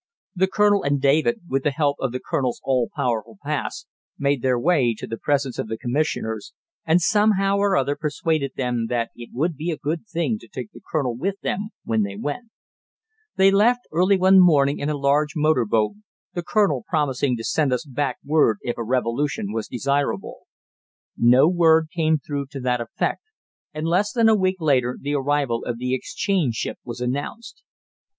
The colonel and David, with the help of the colonel's all powerful pass, made their way to the presence of the commissioners, and somehow or other persuaded them that it would be a good thing to take the colonel with them when they went. They left early one morning in a large motor boat, the colonel promising to send us back word if a revolution was desirable. No word came through to that effect, and less than a week later the arrival of the exchange ship was announced.